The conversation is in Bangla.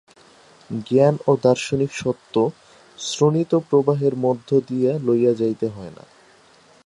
জ্ঞান ও দার্শনিক সত্য শ্রোণিতপ্রবাহের মধ্য দিয়া লইয়া যাইতে হয় না।